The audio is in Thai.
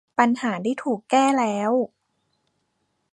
ปัญหาได้ถูกแก้แล้ว